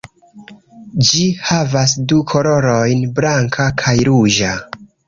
Ĝi havas du kolorojn: blanka kaj ruĝa.